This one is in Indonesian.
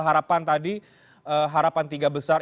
harapan tadi harapan tiga besar